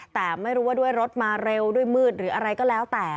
แต่ไม่รู้ว่าด้วยรถมาเร็วด้วยมืดหรืออะไรก็แล้วแต่